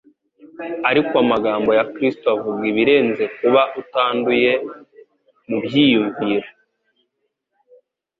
Ariko amagambo ya Kristo avuga ibirenze kuba utanduye mu byiyumviro